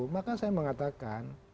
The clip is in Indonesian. maka saya mengatakan